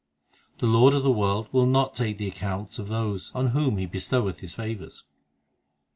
The Lord of the world will not take the accounts of those On whom He bestoweth His favours.